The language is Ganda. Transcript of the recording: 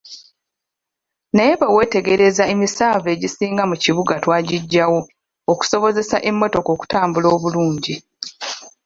Naye bwe weetegereza emisanvu egisinga mu kibuga twagiggyawo okusobozesa emmotoka okutambula obulungi.